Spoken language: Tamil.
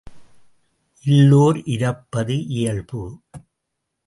இல்லோர் இரப்பது இயல்பு.